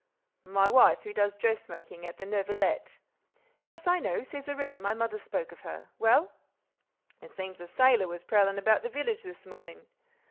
"My wife—who does dressmaking at the Neuvillette—" "Yes, I know—Césarine—my mother spoke of her. Well?" "It seems a sailor was prowling about the village this morning."